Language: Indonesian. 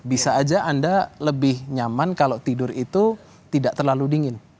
bisa aja anda lebih nyaman kalau tidur itu tidak terlalu dingin